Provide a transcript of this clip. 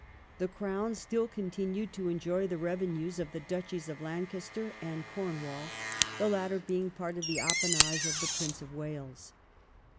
The Crown still continued to enjoy the revenues of the Duchies of Lancaster and Cornwall, the latter being part of the appanage of the Prince of Wales.